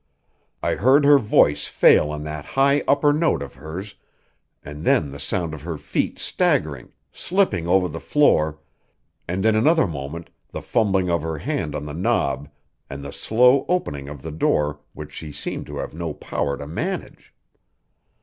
I heard her voice fail on that high upper note of hers, and then the sound of her feet staggering, slipping over the floor, and in another moment the fumbling of her hand on the knob and the slow opening of the door which she seemed to have no power to manage.